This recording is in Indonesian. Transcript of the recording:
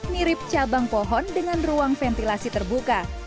mirip cabang pohon dengan ruang ventilasi terbuka